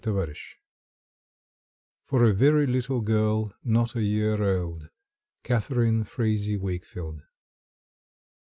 Sunshine For a Very Little Girl, Not a Year Old. Catharine Frazee Wakefield.